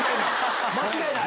間違いない！